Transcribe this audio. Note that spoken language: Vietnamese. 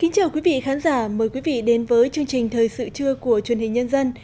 chào mừng quý vị đến với chương trình thời sự trưa của truyền hình nhân dân